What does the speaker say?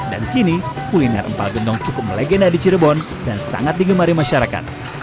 dan kini kuliner empal gentong cukup melegenda di cirebon dan sangat digemari masyarakat